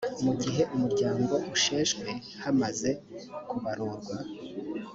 mu gihe umuryango usheshwe hamaze kubarurwa